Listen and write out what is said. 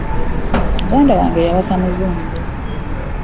Muganda wange wayasa muzungu.